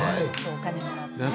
お金もらってね。